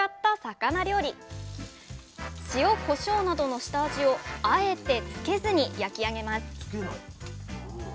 塩こしょうなどの下味をあえてつけずに焼き上げます